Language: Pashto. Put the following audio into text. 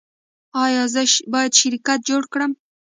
ایا زه باید شرکت جوړ کړم؟